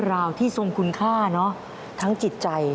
เราไปดูราคามหาชนกันไหม